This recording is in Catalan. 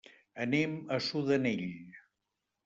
Anem a Sudanell.